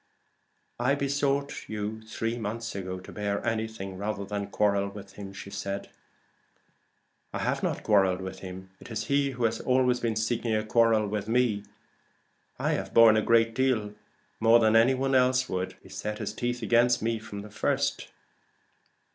"I besought you three months ago to bear anything rather than quarrel with him." "I have not quarrelled with him. It is he who has been always seeking a quarrel with me. I have borne a great deal more than any one else would. He set his teeth against me from the first."